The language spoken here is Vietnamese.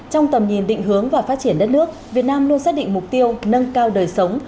trong tầm nhìn định hướng và phát triển đất nước việt nam luôn xác định mục tiêu nâng cao đời sống